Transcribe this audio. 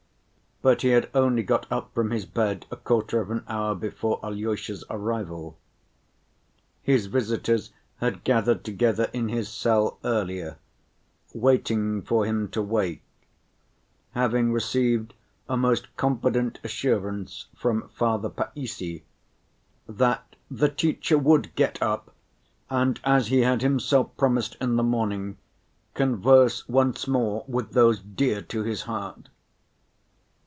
But he had only got up from his bed a quarter of an hour before Alyosha's arrival; his visitors had gathered together in his cell earlier, waiting for him to wake, having received a most confident assurance from Father Païssy that "the teacher would get up, and as he had himself promised in the morning, converse once more with those dear to his heart."